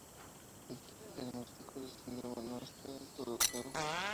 El primer diagnóstico del síndrome no está del todo claro.